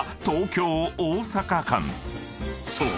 ［そう。